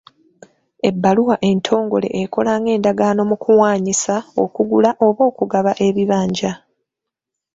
Ebbaluwa entongole ekola nga endagaano mu kuwaanyisa, okugula oba okugaba ebibanja.